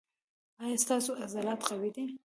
ایا ستاسو عضلات قوي دي؟